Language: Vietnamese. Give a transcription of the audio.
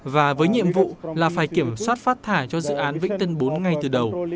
và với nhiệm vụ là phải kiểm soát phát thải cho dự án vĩnh tân bốn ngay từ đầu